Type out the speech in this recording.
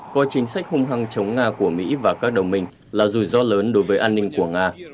coi chính sách hung hăng chống nga của mỹ và các đồng minh là rủi ro lớn đối với an ninh của nga